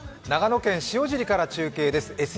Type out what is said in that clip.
長野県塩尻から中継です。